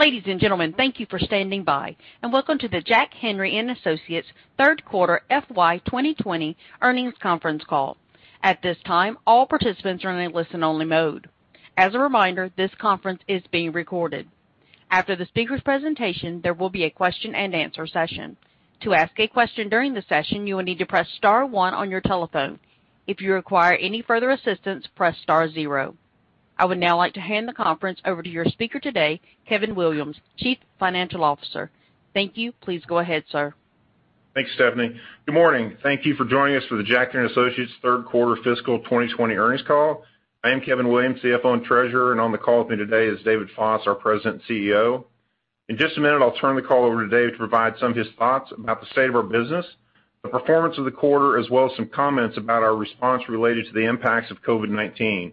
Ladies and gentlemen, thank you for standing by, and welcome to the Jack Henry & Associates Q3 FY 2020 Earnings Conference Call. At this time, all participants are in a listen-only mode. As a reminder, this conference is being recorded. After the speaker's presentation, there will be a Q&A session. To ask a question during the session, you will need to press star one on your telephone. If you require any further assistance, press star zero. I would now like to hand the conference over to your speaker today, Kevin Williams, Chief Financial Officer. Thank you. Please go ahead, sir. Thanks, Stephanie. Good morning. Thank you for joining us for the Jack Henry & Associates Q3 Fiscal 2020 earnings call. I am Kevin Williams, CFO and Treasurer, and on the call with me today is David Foss, our President and CEO. In just a minute, I'll turn the call over to David to provide some of his thoughts about the state of our business, the performance of the quarter, as well as some comments about our response related to the impacts of COVID-19.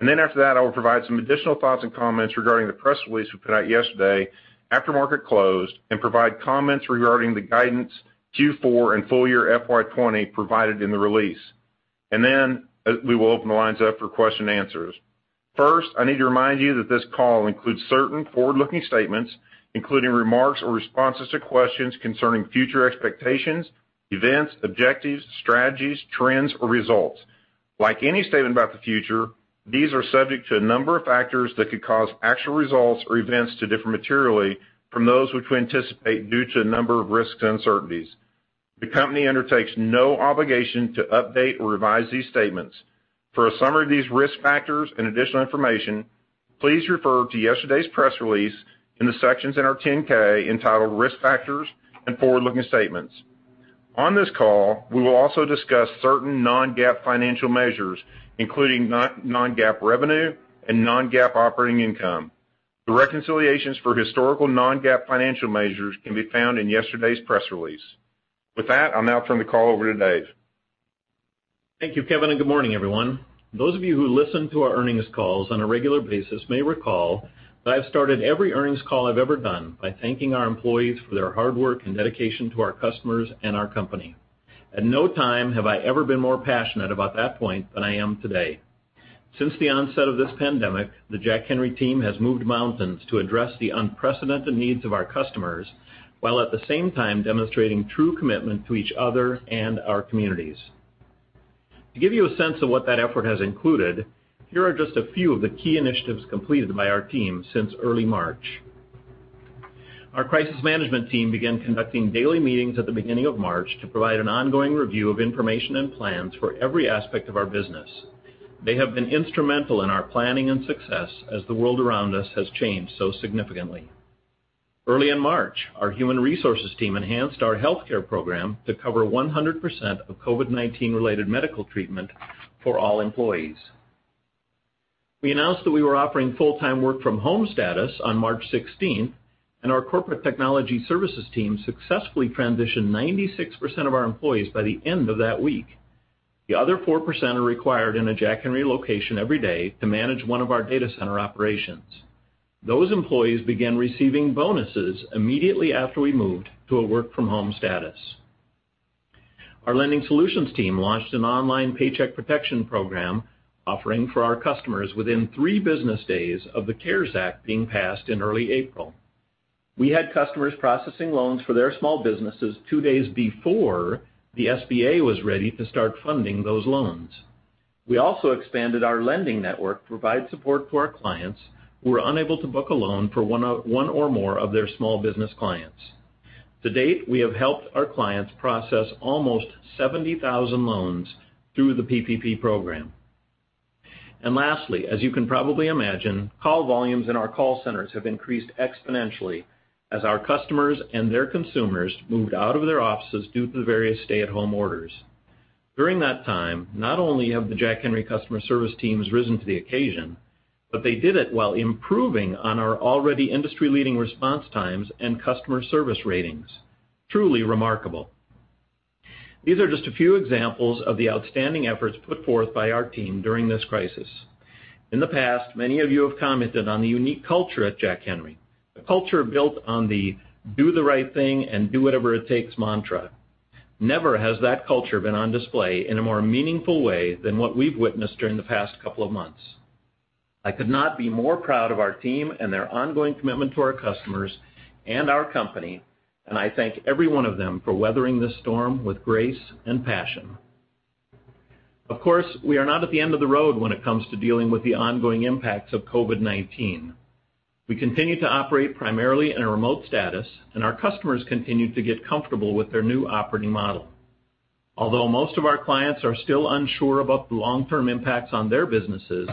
And then after that, I will provide some additional thoughts and comments regarding the press release we put out yesterday after market closed and provide comments regarding the guidance Q4 and full year FY 2020 provided in the release. And then we will open the lines up for question and answers. First, I need to remind you that this call includes certain forward-looking statements, including remarks or responses to questions concerning future expectations, events, objectives, strategies, trends, or results. Like any statement about the future, these are subject to a number of factors that could cause actual results or events to differ materially from those which we anticipate due to a number of risks and uncertainties. The company undertakes no obligation to update or revise these statements. For a summary of these risk factors and additional information, please refer to yesterday's press release in the sections in our 10-K entitled Risk Factors and Forward-Looking Statements. On this call, we will also discuss certain non-GAAP financial measures, including non-GAAP revenue and non-GAAP operating income. The reconciliations for historical non-GAAP financial measures can be found in yesterday's press release. With that, I'll now turn the call over to Dave. Thank you, Kevin, and good morning, everyone. Those of you who listen to our earnings calls on a regular basis may recall that I have started every earnings call I've ever done by thanking our employees for their hard work and dedication to our customers and our company. At no time have I ever been more passionate about that point than I am today. Since the onset of this pandemic, the Jack Henry team has moved mountains to address the unprecedented needs of our customers while at the same time demonstrating true commitment to each other and our communities. To give you a sense of what that effort has included, here are just a few of the key initiatives completed by our team since early March. Our crisis management team began conducting daily meetings at the beginning of March to provide an ongoing review of information and plans for every aspect of our business. They have been instrumental in our planning and success as the world around us has changed so significantly. Early in March, our human resources team enhanced our healthcare program to cover 100% of COVID-19 related medical treatment for all employees. We announced that we were offering full-time work from home status on March 16th, and our Corporate Technology services team successfully transitioned 96% of our employees by the end of that week. The other 4% are required in a Jack Henry location every day to manage one of our data center operations. Those employees began receiving bonuses immediately after we moved to a work from home status. Our Lending Solutions team launched an online Paycheck Protection Program offering for our customers within three business days of the CARES Act being passed in early April. We had customers processing loans for their small businesses two days before the SBA was ready to start funding those loans. We also expanded our lending network to provide support to our clients who were unable to book a loan for one or more of their small business clients. To date, we have helped our clients process almost 70,000 loans through the PPP program. And lastly, as you can probably imagine, call volumes in our call centers have increased exponentially as our customers and their consumers moved out of their offices due to the various stay-at-home orders. During that time, not only have the Jack Henry customer service teams risen to the occasion, but they did it while improving on our already industry-leading response times and customer service ratings. Truly remarkable. These are just a few examples of the outstanding efforts put forth by our team during this crisis. In the past, many of you have commented on the unique culture at Jack Henry, a culture built on the do the right thing and do whatever it takes mantra. Never has that culture been on display in a more meaningful way than what we've witnessed during the past couple of months. I could not be more proud of our team and their ongoing commitment to our customers and our company, and I thank every one of them for weathering this storm with grace and passion. Of course, we are not at the end of the road when it comes to dealing with the ongoing impacts of COVID-19. We continue to operate primarily in a remote status, and our customers continue to get comfortable with their new operating model. Although most of our clients are still unsure about the long-term impacts on their businesses,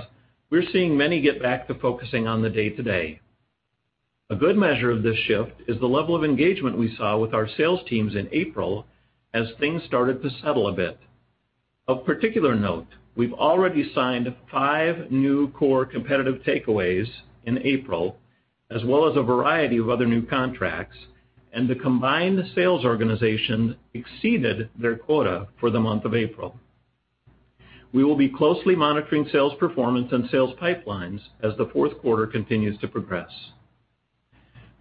we're seeing many get back to focusing on the day-to-day. A good measure of this shift is the level of engagement we saw with our sales teams in April as things started to settle a bit. Of particular note, we've already signed five new core competitive takeaways in April, as well as a variety of other new contracts, and the combined sales organization exceeded their quota for the month of April. We will be closely monitoring sales performance and sales pipelines as the Q4 continues to progress.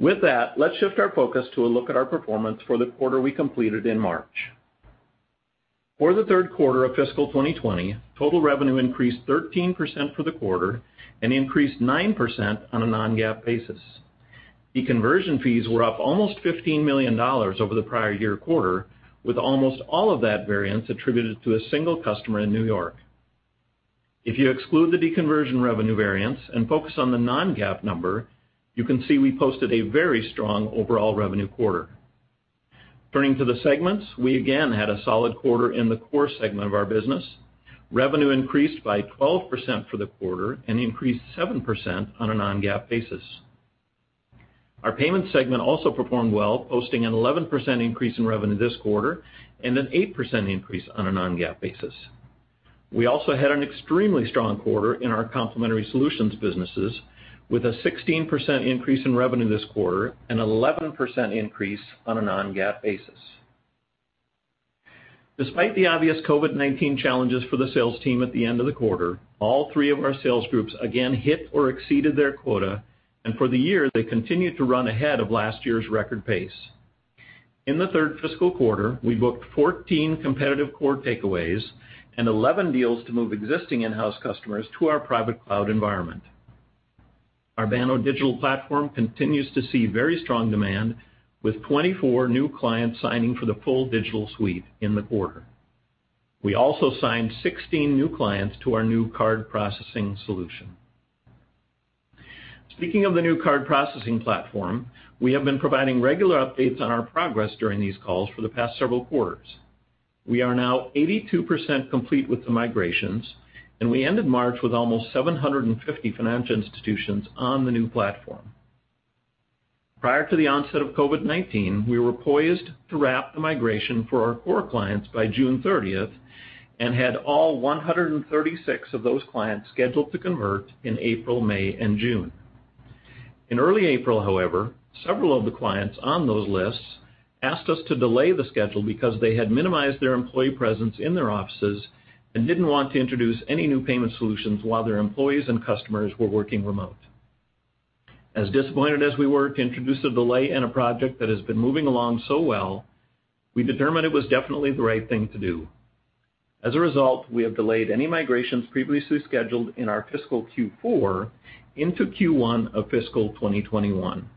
With that, let's shift our focus to a look at our performance for the quarter we completed in March. For the Q3 of Fiscal 2020, total revenue increased 13% for the quarter and increased 9% on a Non-GAAP basis. Deconversion fees were up almost $15 million over the prior year quarter, with almost all of that variance attributed to a single customer in New York. If you exclude the deconversion revenue variance and focus on the Non-GAAP number, you can see we posted a very strong overall revenue quarter. Turning to the segments, we again had a solid quarter in the core segment of our business. Revenue increased by 12% for the quarter and increased 7% on a Non-GAAP basis. Our payment segment also performed well, posting an 11% increase in revenue this quarter and an 8% increase on a Non-GAAP basis. We also had an extremely strong quarter in our complementary solutions businesses, with a 16% increase in revenue this quarter and an 11% increase on a non-GAAP basis. Despite the obvious COVID-19 challenges for the sales team at the end of the quarter, all three of our sales groups again hit or exceeded their quota, and for the year, they continued to run ahead of last year's record pace. In the third Fiscal quarter, we booked 14 competitive core takeaways and 11 deals to move existing in-house customers to our private cloud environment. Our Banno Digital Platform continues to see very strong demand, with 24 new clients signing for the full digital suite in the quarter. We also signed 16 new clients to our new card processing solution. Speaking of the new card processing platform, we have been providing regular updates on our progress during these calls for the past several quarters. We are now 82% complete with the migrations, and we ended March with almost 750 financial institutions on the new platform. Prior to the onset of COVID-19, we were poised to wrap the migration for our core clients by June 30th and had all 136 of those clients scheduled to convert in April, May, and June. In early April, however, several of the clients on those lists asked us to delay the schedule because they had minimized their employee presence in their offices and didn't want to introduce any new payment solutions while their employees and customers were working remote. As disappointed as we were to introduce a delay in a project that has been moving along so well, we determined it was definitely the right thing to do. As a result, we have delayed any migrations previously scheduled in our Fiscal Q4 into Q1 of Fiscal 2021.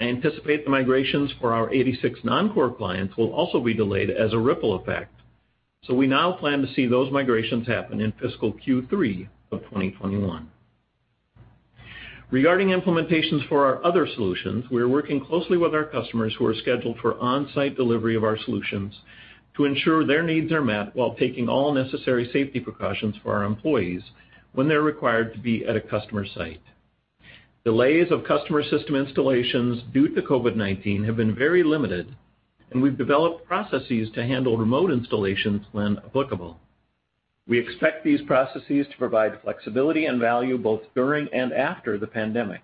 I anticipate the migrations for our 86 non-core clients will also be delayed as a ripple effect, so we now plan to see those migrations happen in Fiscal Q3 of 2021. Regarding implementations for our other solutions, we are working closely with our customers who are scheduled for on-site delivery of our solutions to ensure their needs are met while taking all necessary safety precautions for our employees when they're required to be at a customer site. Delays of customer system installations due to COVID-19 have been very limited, and we've developed processes to handle remote installations when applicable. We expect these processes to provide flexibility and value both during and after the pandemic.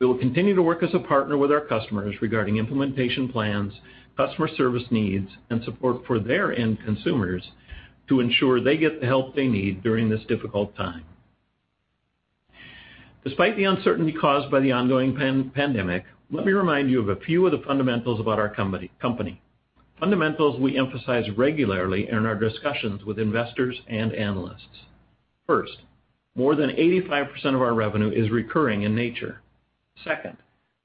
We will continue to work as a partner with our customers regarding implementation plans, customer service needs, and support for their end consumers to ensure they get the help they need during this difficult time. Despite the uncertainty caused by the ongoing pandemic, let me remind you of a few of the fundamentals about our company. Fundamentals we emphasize regularly in our discussions with investors and analysts. First, more than 85% of our revenue is recurring in nature. Second,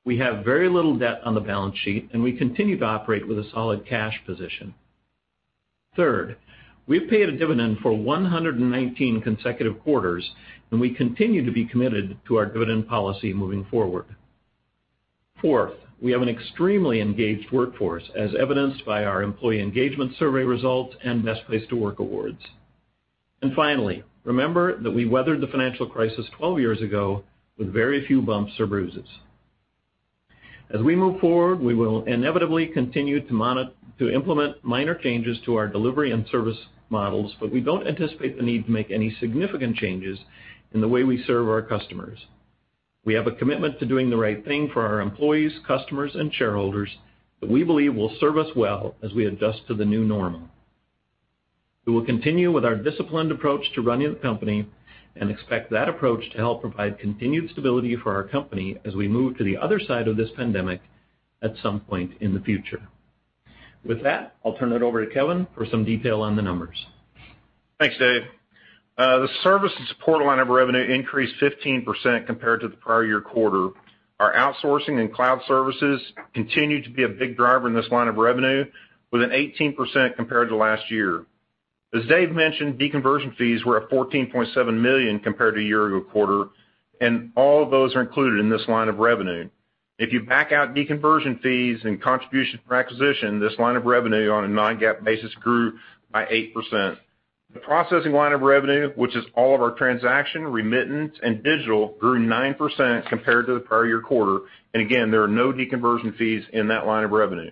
we have very little debt on the balance sheet, and we continue to operate with a solid cash position. Third, we've paid a dividend for 119 consecutive quarters, and we continue to be committed to our dividend policy moving forward. Fourth, we have an extremely engaged workforce, as evidenced by our employee engagement survey results and Best Places to Work awards. And finally, remember that we weathered the financial crisis 12 years ago with very few bumps or bruises. As we move forward, we will inevitably continue to implement minor changes to our delivery and service models, but we don't anticipate the need to make any significant changes in the way we serve our customers. We have a commitment to doing the right thing for our employees, customers, and shareholders that we believe will serve us well as we adjust to the new normal. We will continue with our disciplined approach to running the company and expect that approach to help provide continued stability for our company as we move to the other side of this pandemic at some point in the future. With that, I'll turn it over to Kevin for some detail on the numbers. Thanks, Dave. The service and support line of revenue increased 15% compared to the prior year quarter. Our outsourcing and cloud services continue to be a big driver in this line of revenue, with an 18% compared to last year. As Dave mentioned, deconversion fees were at $14.7 million compared to a year ago quarter, and all of those are included in this line of revenue. If you back out deconversion fees and contribution for acquisition, this line of revenue on a non-GAAP basis grew by 8%. The processing line of revenue, which is all of our transaction, remittance, and digital, grew 9% compared to the prior year quarter. And again, there are no deconversion fees in that line of revenue.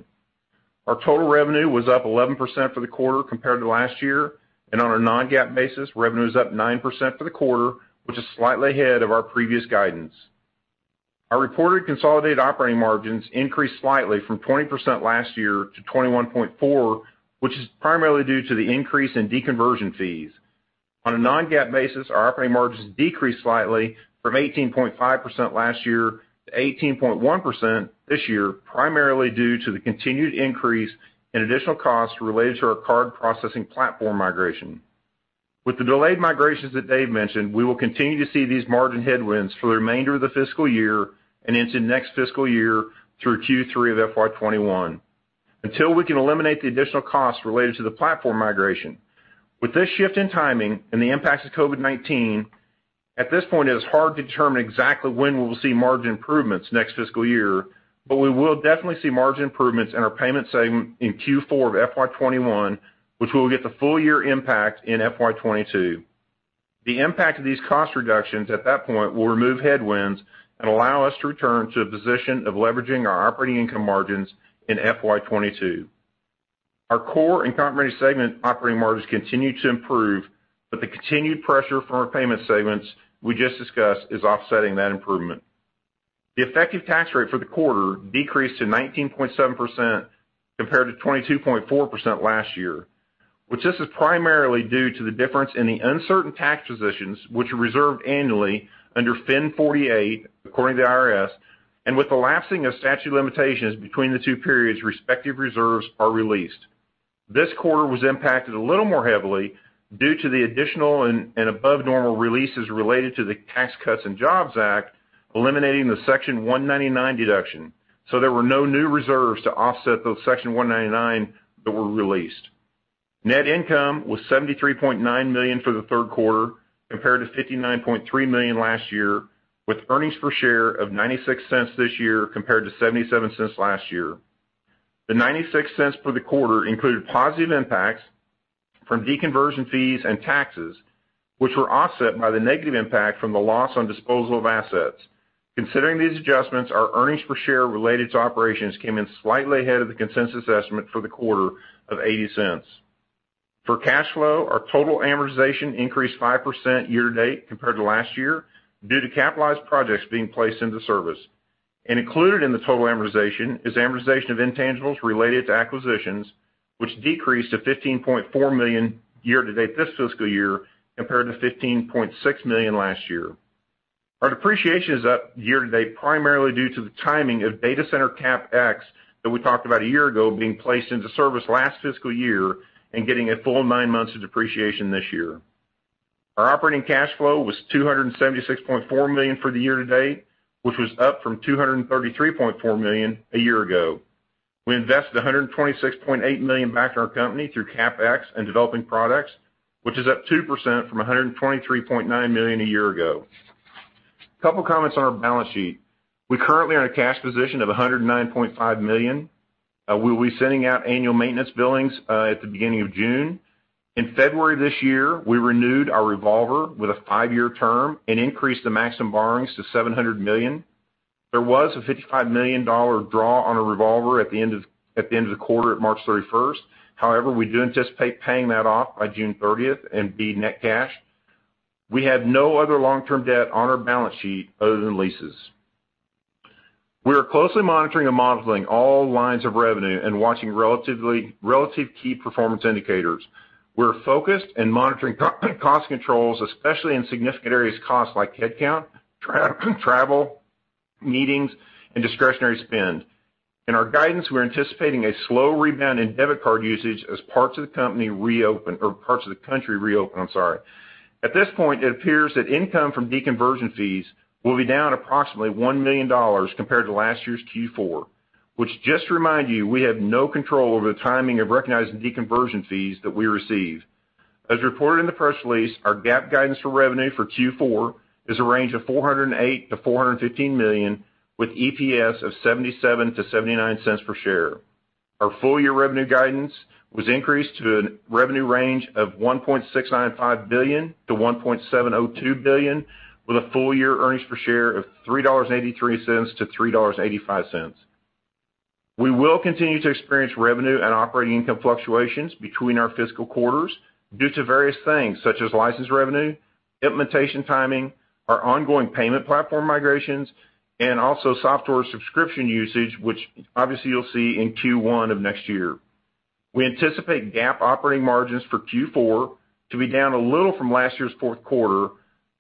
Our total revenue was up 11% for the quarter compared to last year, and on a non-GAAP basis, revenue is up 9% for the quarter, which is slightly ahead of our previous guidance. Our reported consolidated operating margins increased slightly from 20% last year to 21.4%, which is primarily due to the increase in deconversion fees. On a non-GAAP basis, our operating margins decreased slightly from 18.5% last year to 18.1% this year, primarily due to the continued increase in additional costs related to our card processing platform migration. With the delayed migrations that Dave mentioned, we will continue to see these margin headwinds for the remainder of the Fiscal Year and into next Fiscal Year through Q3 of FY21 until we can eliminate the additional costs related to the platform migration. With this shift in timing and the impacts of COVID-19, at this point, it is hard to determine exactly when we will see margin improvements next Fiscal Year, but we will definitely see margin improvements in our payment segment in Q4 of FY21, which will get the full year impact in FY22. The impact of these cost reductions at that point will remove headwinds and allow us to return to a position of leveraging our operating income margins in FY22. Our core and complementary segment operating margins continue to improve, but the continued pressure from our payment segments we just discussed is offsetting that improvement. The effective tax rate for the quarter decreased to 19.7% compared to 22.4% last year, which is primarily due to the difference in the uncertain tax positions, which are reserved annually under FIN 48 according to the IRS, and with the lapsing of statute limitations between the two periods, respective reserves are released. This quarter was impacted a little more heavily due to the additional and above-normal releases related to the Tax Cuts and Jobs Act, eliminating the Section 199 deduction, so there were no new reserves to offset those Section 199 that were released. Net income was $73.9 million for the Q3 compared to $59.3 million last year, with earnings per share of $0.96 this year compared to $0.77 last year. The $0.96 for the quarter included positive impacts from deconversion fees and taxes, which were offset by the negative impact from the loss on disposal of assets. Considering these adjustments, our earnings per share related to operations came in slightly ahead of the consensus estimate for the quarter of $0.80. For cash flow, our total amortization increased 5% year-to-date compared to last year due to capitalized projects being placed into service. Included in the total amortization is amortization of intangibles related to acquisitions, which decreased to $15.4 million year-to-date this Fiscal Year compared to $15.6 million last year. Our depreciation is up year-to-date primarily due to the timing of data center CapEx that we talked about a year ago being placed into service last Fiscal Year and getting a full nine months of depreciation this year. Our operating cash flow was $276.4 million for the year-to-date, which was up from $233.4 million a year ago. We invested $126.8 million back to our company through CapEx and developing products, which is up 2% from $123.9 million a year ago. A couple of comments on our balance sheet. We currently are in a cash position of $109.5 million. We will be sending out annual maintenance billings at the beginning of June. In February this year, we renewed our revolver with a five-year term and increased the maximum borrowings to $700 million. There was a $55 million draw on a revolver at the end of the quarter at March 31st. However, we do anticipate paying that off by June 30th and be net cash. We have no other long-term debt on our balance sheet other than leases. We are closely monitoring all lines of revenue and watching relative key performance indicators. We're focused and monitoring cost controls, especially in significant areas costs like headcount, travel, meetings, and discretionary spend. In our guidance, we're anticipating a slow rebound in debit card usage as parts of the company reopen or parts of the country reopen, I'm sorry. At this point, it appears that income from deconversion fees will be down approximately $1 million compared to last year's Q4, which just to remind you, we have no control over the timing of recognizing deconversion fees that we receive. As reported in the press release, our GAAP guidance for revenue for Q4 is a range of $408 million-$415 million, with EPS of $0.77-$0.79 per share. Our full year revenue guidance was increased to a revenue range of $1.695 billion-$1.702 billion, with a full year earnings per share of $3.83-$3.85. We will continue to experience revenue and operating income fluctuations between our Fiscal quarters due to various things such as license revenue, implementation timing, our ongoing payment platform migrations, and also software subscription usage, which obviously you'll see in Q1 of next year. We anticipate GAAP operating margins for Q4 to be down a little from last year's Q4,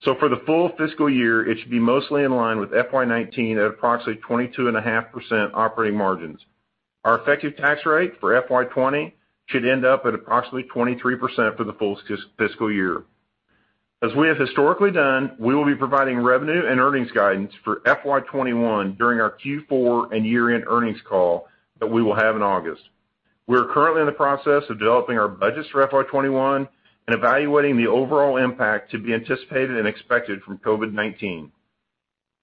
so for the full Fiscal Year, it should be mostly in line with FY19 at approximately 22.5% operating margins. Our effective tax rate for FY20 should end up at approximately 23% for the full Fiscal Year. As we have historically done, we will be providing revenue and earnings guidance for FY21 during our Q4 and year-end earnings call that we will have in August. We are currently in the process of developing our budgets for FY21 and evaluating the overall impact to be anticipated and expected from COVID-19.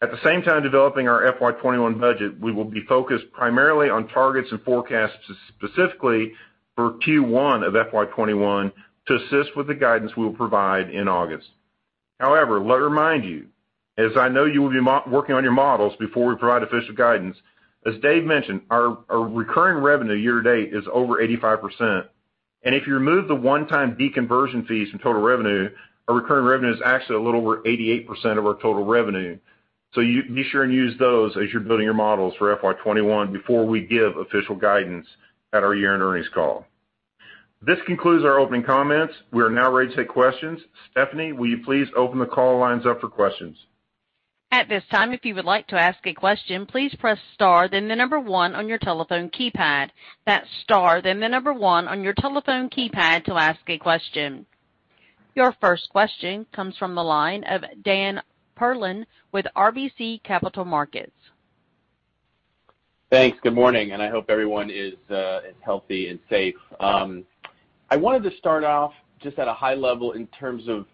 At the same time developing our FY21 budget, we will be focused primarily on targets and forecasts specifically for Q1 of FY21 to assist with the guidance we will provide in August. However, let me remind you, as I know you will be working on your models before we provide official guidance, as Dave mentioned, our recurring revenue year-to-date is over 85%, and if you remove the one-time deconversion fees from total revenue, our recurring revenue is actually a little over 88% of our total revenue. So be sure and use those as you're building your models for FY21 before we give official guidance at our year-end earnings call. This concludes our opening comments. We are now ready to take questions. Stephanie, will you please open the call lines up for questions? At this time, if you would like to ask a question, please press star, then the number one on your telephone keypad. That's star, then the number one on your telephone keypad to ask a question. Your first question comes from the line of Dan Perlin with RBC Capital Markets. Thanks. Good morning, and I hope everyone is healthy and safe. I wanted to start off just at a high level in terms of,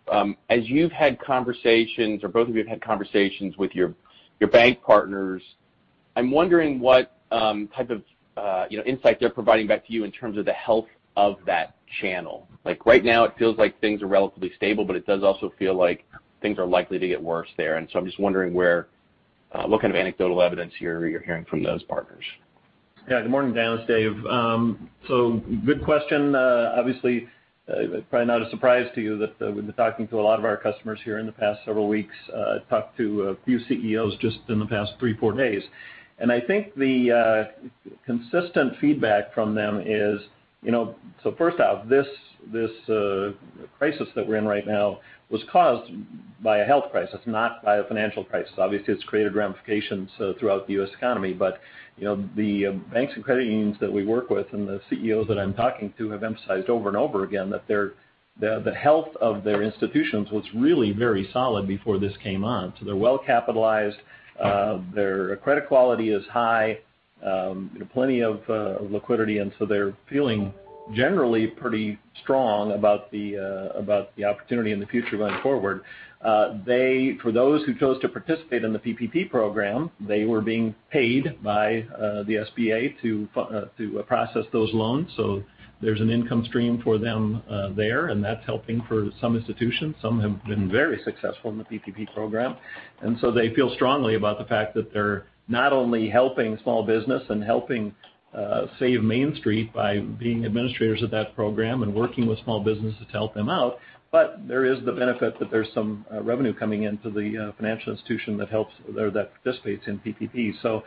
as you've had conversations or both of you have had conversations with your bank partners, I'm wondering what type of insight they're providing back to you in terms of the health of that channel. Right now, it feels like things are relatively stable, but it does also feel like things are likely to get worse there. And so I'm just wondering what kind of anecdotal evidence you're hearing from those partners. Yeah. Good morning. So good question. Obviously, it's probably not a surprise to you that we've been talking to a lot of our customers here in the past several weeks, talked to a few CEOs just in the past three, four days. And I think the consistent feedback from them is, so first off, this crisis that we're in right now was caused by a health crisis, not by a financial crisis. Obviously, it's created ramifications throughout the U.S. economy, but the banks and credit unions that we work with and the CEOs that I'm talking to have emphasized over and over again that the health of their institutions was really very solid before this came on. So they're well capitalized. Their credit quality is high, plenty of liquidity, and so they're feeling generally pretty strong about the opportunity in the future going forward. For those who chose to participate in the PPP program, they were being paid by the SBA to process those loans. So there's an income stream for them there, and that's helping for some institutions. Some have been very successful in the PPP program. And so they feel strongly about the fact that they're not only helping small business and helping save Main Street by being administrators of that program and working with small businesses to help them out, but there is the benefit that there's some revenue coming into the financial institution that helps or that participates in PPP. So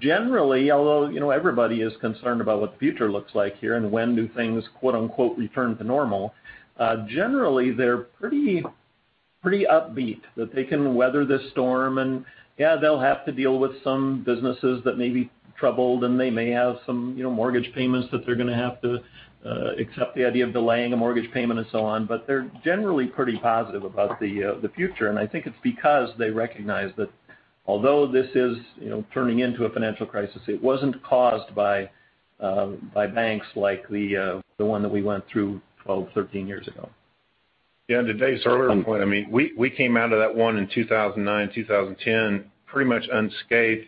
generally, although everybody is concerned about what the future looks like here and when things "return to normal," generally, they're pretty upbeat that they can weather this storm. Yeah, they'll have to deal with some businesses that may be troubled, and they may have some mortgage payments that they're going to have to accept the idea of delaying a mortgage payment and so on, but they're generally pretty positive about the future. I think it's because they recognize that although this is turning into a financial crisis, it wasn't caused by banks like the one that we went through 12, 13 years ago. Yeah. To Dave's earlier point, I mean, we came out of that one in 2009, 2010 pretty much unscathed,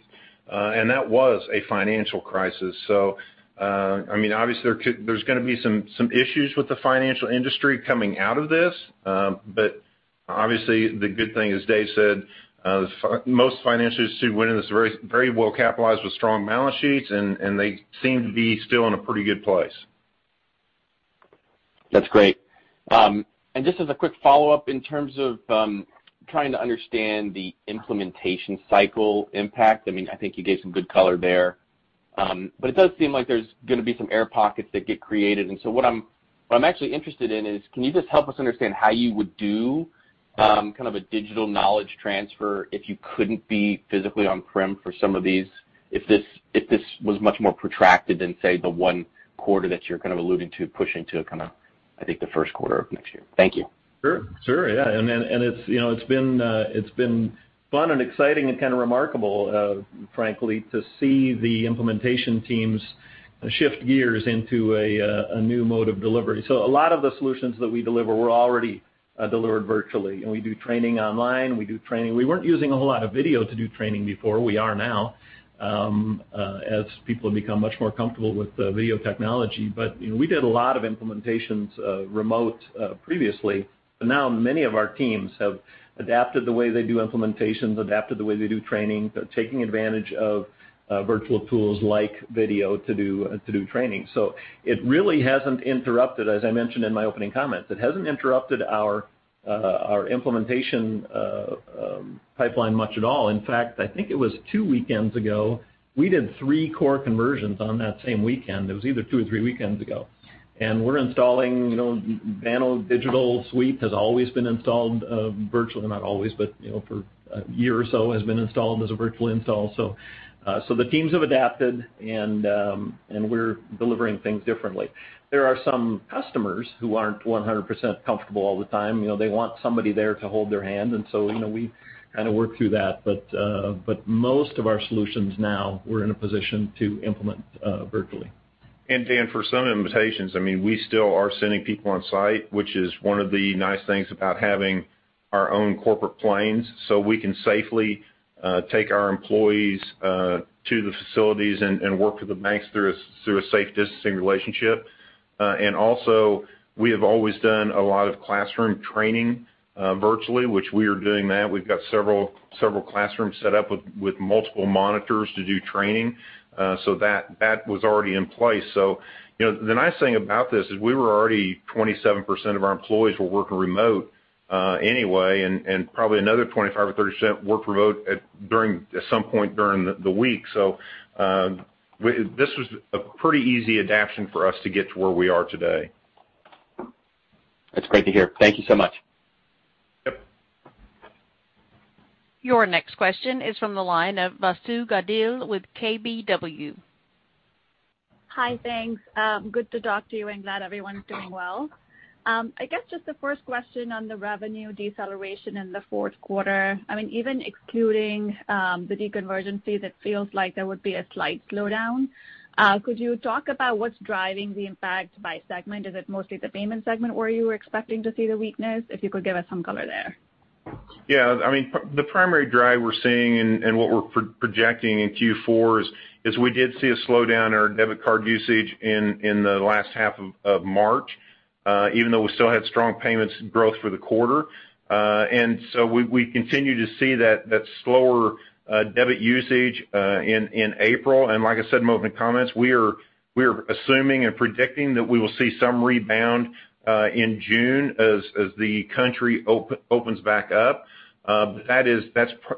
and that was a financial crisis. So, I mean, obviously, there's going to be some issues with the financial industry coming out of this, but obviously, the good thing, as Dave said, most financial institutions went into this very well-capitalized with strong balance sheets, and they seem to be still in a pretty good place. That's great. And just as a quick follow-up in terms of trying to understand the implementation cycle impact, I mean, I think you gave some good color there, but it does seem like there's going to be some air pockets that get created. And so what I'm actually interested in is, can you just help us understand how you would do kind of a digital knowledge transfer if you couldn't be physically on-prem for some of these, if this was much more protracted than, say, the one quarter that you're kind of alluding to pushing to kind of, I think, the Q1 of next year? Thank you. Sure. Yeah. And it's been fun and exciting and kind of remarkable, frankly, to see the implementation teams shift gears into a new mode of delivery. So a lot of the solutions that we deliver, we're already delivered virtually, and we do training online. We weren't using a whole lot of video to do training before. We are now as people have become much more comfortable with video technology, but we did a lot of implementations remotely previously. But now many of our teams have adapted the way they do implementations, adapted the way they do training, taking advantage of virtual tools like video to do training. So it really hasn't interrupted, as I mentioned in my opening comments. It hasn't interrupted our implementation pipeline much at all. In fact, I think it was two weekends ago. We did three core conversions on that same weekend. It was either two or three weekends ago. And we're installing Banno Digital Suite has always been installed virtually, not always, but for a year or so has been installed as a virtual install. So the teams have adapted, and we're delivering things differently. There are some customers who aren't 100% comfortable all the time. They want somebody there to hold their hand, and so we kind of work through that. But most of our solutions now, we're in a position to implement virtually. And Dan, for some implementations, I mean, we still are sending people on-site, which is one of the nice things about having our own corporate planes, so we can safely take our employees to the facilities and work with the banks through a safe distancing relationship. And also, we have always done a lot of classroom training virtually, which we are doing now. We've got several classrooms set up with multiple monitors to do training, so that was already in place. The nice thing about this is we were already 27% of our employees were working remote anyway, and probably another 25% or 30% worked remote at some point during the week, so this was a pretty easy adaptation for us to get to where we are today. That's great to hear. Thank you so much. Yep. Your next question is from the line of Vasundhara Govil with KBW. Hi, thanks. Good to talk to you and glad everyone's doing well. I guess just the first question on the revenue deceleration in the Q4, I mean, even excluding the deconversion, that feels like there would be a slight slowdown. Could you talk about what's driving the impact by segment? Is it mostly the payment segment where you were expecting to see the weakness? If you could give us some color there. Yeah. I mean, the primary drive we're seeing and what we're projecting in Q4 is we did see a slowdown in our debit card usage in the last half of March, even though we still had strong payments growth for the quarter, and so we continue to see that slower debit usage in April, and like I said in my opening comments, we are assuming and predicting that we will see some rebound in June as the country opens back up, but that's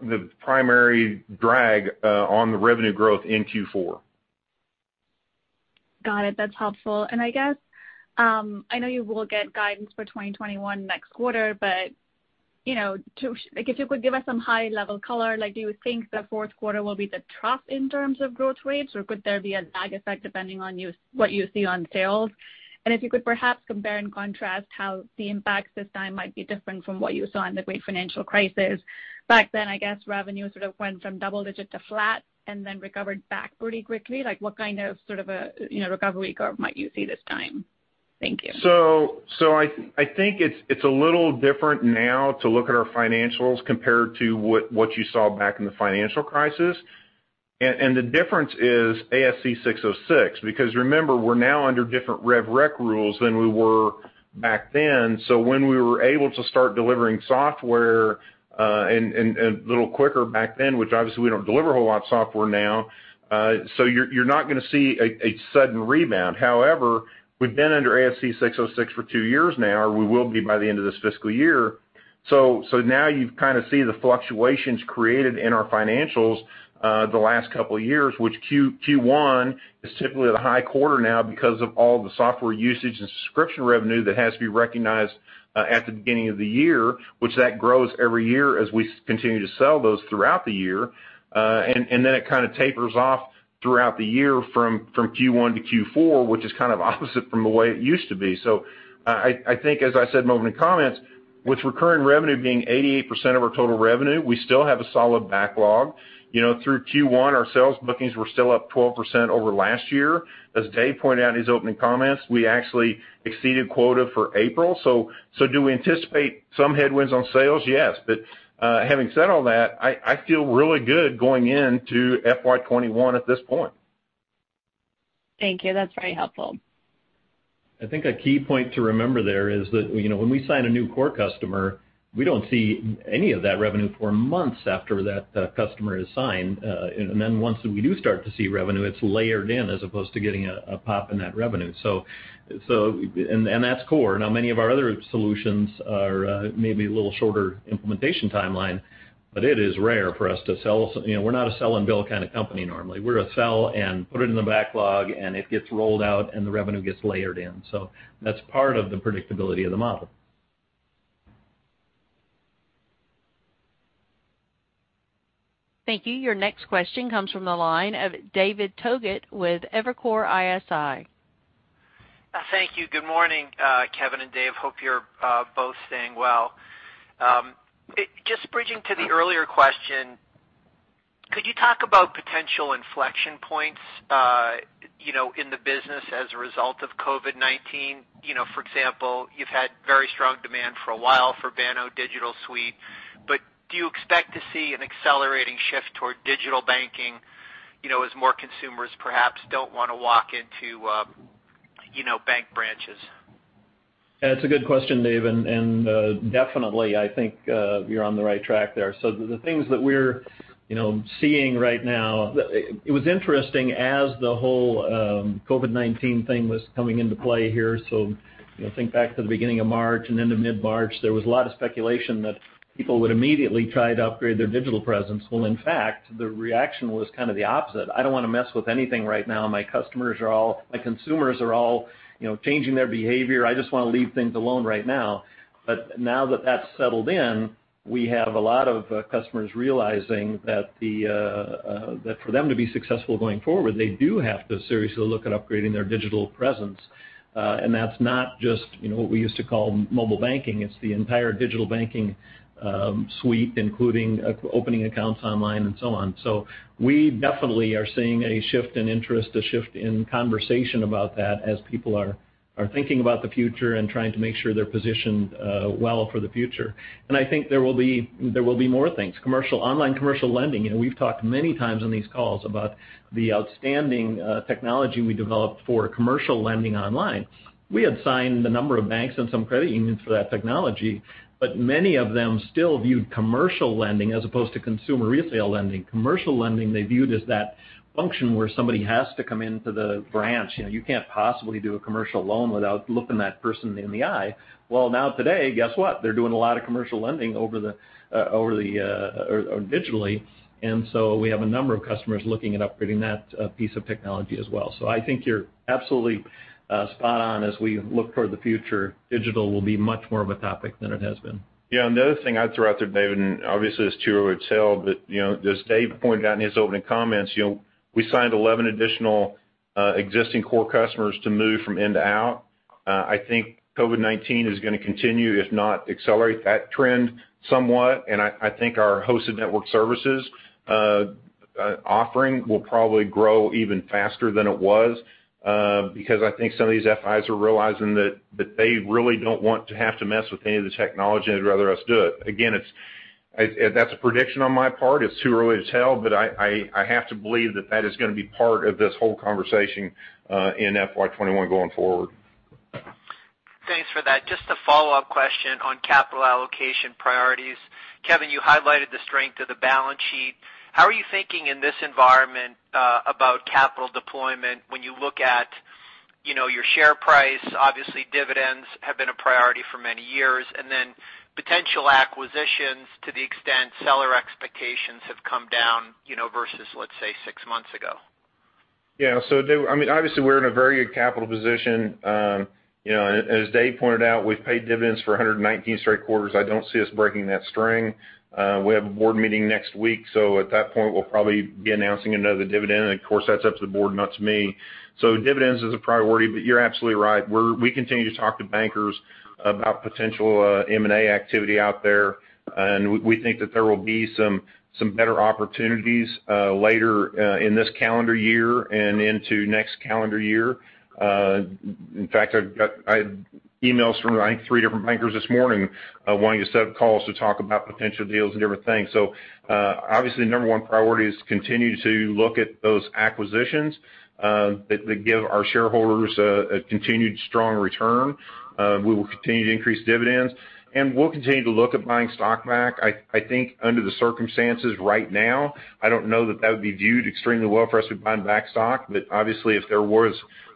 the primary drag on the revenue growth in Q4. Got it. That's helpful. And I guess I know you will get guidance for 2021 next quarter, but if you could give us some high-level color, do you think the Q4 will be the trough in terms of growth rates, or could there be a lag effect depending on what you see on sales? And if you could perhaps compare and contrast how the impacts this time might be different from what you saw in the great financial crisis back then, I guess revenue sort of went from double-digit to flat and then recovered back pretty quickly. What kind of sort of a recovery curve might you see this time? Thank you. So I think it's a little different now to look at our financials compared to what you saw back in the financial crisis. And the difference is ASC 606 because remember, we're now under different RevRec rules than we were back then. So when we were able to start delivering software a little quicker back then, which obviously we don't deliver a whole lot of software now, so you're not going to see a sudden rebound. However, we've been under ASC 606 for two years now, or we will be by the end of this Fiscal Year. So now you kind of see the fluctuations created in our financials the last couple of years, which Q1 is typically the high quarter now because of all the software usage and subscription revenue that has to be recognized at the beginning of the year, which that grows every year as we continue to sell those throughout the year. And then it kind of tapers off throughout the year from Q1 to Q4, which is kind of opposite from the way it used to be. So I think, as I said in my opening comments, with recurring revenue being 88% of our total revenue, we still have a solid backlog. Through Q1, our sales bookings were still up 12% over last year. As Dave pointed out in his opening comments, we actually exceeded quota for April. So do we anticipate some headwinds on sales? Yes. But having said all that, I feel really good going into FY21 at this point. Thank you. That's very helpful. I think a key point to remember there is that when we sign a new core customer, we don't see any of that revenue for months after that customer is signed. And then once we do start to see revenue, it's layered in as opposed to getting a pop in that revenue. And that's core. Now, many of our other solutions are maybe a little shorter implementation timeline, but it is rare for us to sell. We're not a sell-and-build kind of company normally. We're a sell and put it in the backlog, and it gets rolled out, and the revenue gets layered in. So that's part of the predictability of the model. Thank you. Your next question comes from the line of David Togut with Evercore ISI. Thank you. Good morning, Kevin and Dave. Hope you're both staying well. Just building on the earlier question, could you talk about potential inflection points in the business as a result of COVID-19? For example, you've had very strong demand for a while for Banno Digital Suite, but do you expect to see an accelerating shift toward digital banking as more consumers perhaps don't want to walk into bank branches? Yeah. It's a good question, Dave, and definitely, I think you're on the right track there, so the things that we're seeing right now, it was interesting as the whole COVID-19 thing was coming into play here, so think back to the beginning of March and into mid-March, there was a lot of speculation that people would immediately try to upgrade their digital presence. Well, in fact, the reaction was kind of the opposite. "I don't want to mess with anything right now. My customers are all, my consumers are all changing their behavior. I just want to leave things alone right now." But now that that's settled in, we have a lot of customers realizing that for them to be successful going forward, they do have to seriously look at upgrading their digital presence, and that's not just what we used to call mobile banking. It's the entire digital banking suite, including opening accounts online and so on. So we definitely are seeing a shift in interest, a shift in conversation about that as people are thinking about the future and trying to make sure they're positioned well for the future. And I think there will be more things. Online commercial lending, we've talked many times in these calls about the outstanding technology we developed for commercial lending online. We had signed a number of banks and some credit unions for that technology, but many of them still viewed commercial lending as opposed to consumer retail lending. Commercial lending, they viewed as that function where somebody has to come into the branch. You can't possibly do a commercial loan without looking that person in the eye. Well, now today, guess what? They're doing a lot of commercial lending over the digitally. And so we have a number of customers looking at upgrading that piece of technology as well. So I think you're absolutely spot on as we look toward the future. Digital will be much more of a topic than it has been. Yeah. And the other thing I'd throw out there, Dave, and obviously this ties to your sell, but as Dave pointed out in his opening comments, we signed 11 additional existing core customers to move from in to out. I think COVID-19 is going to continue, if not accelerate that trend somewhat. And I think our Hosted Network Services offering will probably grow even faster than it was because I think some of these FIs are realizing that they really don't want to have to mess with any of the technology and would rather us do it. Again, that's a prediction on my part. It's too early to tell, but I have to believe that that is going to be part of this whole conversation in FY 2021 going forward. Thanks for that. Just a follow-up question on capital allocation priorities. Kevin, you highlighted the strength of the balance sheet. How are you thinking in this environment about capital deployment when you look at your share price? Obviously, dividends have been a priority for many years. And then potential acquisitions to the extent seller expectations have come down versus, let's say, six months ago? Yeah. So I mean, obviously, we're in a very good capital position. As Dave pointed out, we've paid dividends for 119 straight quarters. I don't see us breaking that string. We have a board meeting next week. So at that point, we'll probably be announcing another dividend. Of course, that's up to the board, not to me. So dividends is a priority, but you're absolutely right. We continue to talk to bankers about potential M&A activity out there. And we think that there will be some better opportunities later in this calendar year and into next calendar year. In fact, I've got emails from, I think, three different bankers this morning wanting to set up calls to talk about potential deals and different things. So obviously, number one priority is to continue to look at those acquisitions that give our shareholders a continued strong return. We will continue to increase dividends, and we'll continue to look at buying stock back. I think under the circumstances right now, I don't know that that would be viewed extremely well for us to be buying back stock, but obviously, if there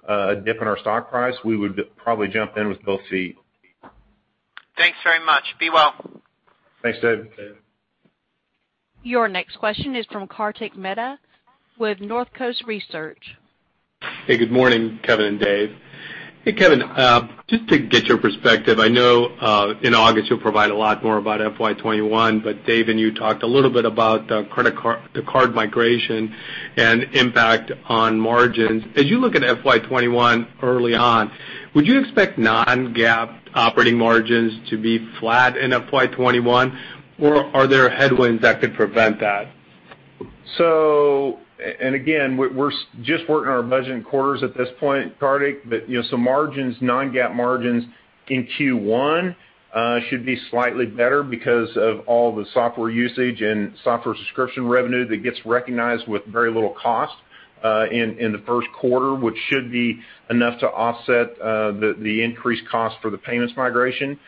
was a dip in our stock price, we would probably jump in with both feet. Thanks very much. Be well. Thanks, Dave. Your next question is from Karthik Mehta with North Coast Research. Hey, good morning, Kevin and Dave. Hey, Kevin, just to get your perspective, I know in August you'll provide a lot more about FY21, but Dave and you talked a little bit about the credit card migration and impact on margins. As you look at FY21 early on, would you expect non-GAAP operating margins to be flat in FY21, or are there headwinds that could prevent that? So, and again, we're just working on our budget and quarters at this point, Karthik, but some non-GAAP margins in Q1 should be slightly better because of all the software usage and software subscription revenue that gets recognized with very little cost in the Q1, which should be enough to offset the increased cost for the payments migration.